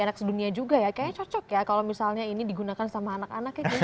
dan anak anak sedunia juga ya kayaknya cocok ya kalau misalnya ini digunakan sama anak anaknya